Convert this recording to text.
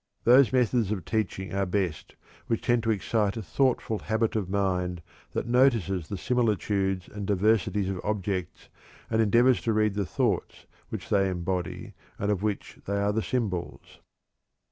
Those methods of teaching are best which tend to excite a thoughtful habit of mind that notices the similitudes and diversities of objects and endeavors to read the thoughts which they embody and of which they are the symbols."